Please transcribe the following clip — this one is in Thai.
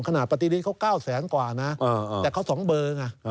ขนาดปฏิฤติเขา๙๐๐๐๐๐ก่อนนะแต่เขา๒เบอร์ไง